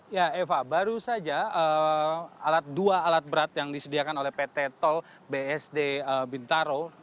ya eva baru saja dua alat berat yang disediakan oleh pt tol bsd bintaro